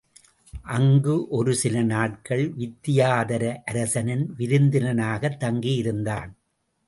அங்கு ஒரு சில நாட்கள் வித்தியாதர அரசனின் விருந்தினனாகத் தங்கி இருந்தான்.